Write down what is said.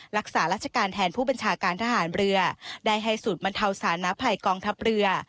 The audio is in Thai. รักษารัชการแทนผู้บัญชาการทหารเรือได้ให้สูตรบรรเทาสานภัยกองทัพเรือ